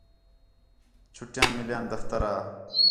چھٹیاں ملیان دفتر آ